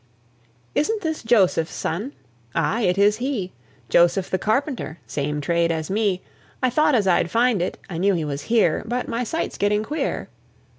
(1848 .) "Isn't this Joseph's son?" ay, it is He; Joseph the carpenter same trade as me I thought as I'd find it I knew it was here But my sight's getting queer.